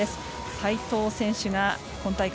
齋藤選手が今大会